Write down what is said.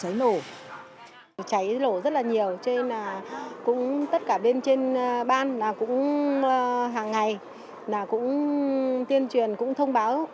cháy nổ rất là nhiều tất cả bên trên ban cũng hàng ngày tiên truyền thông báo